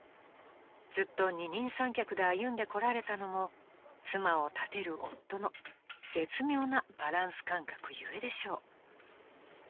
［ずっと二人三脚で歩んでこられたのも妻を立てる夫の絶妙なバランス感覚故でしょう］